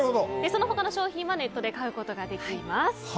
その他の商品はネットで買うことができます。